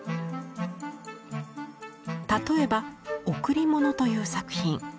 例えば「贈り物」という作品。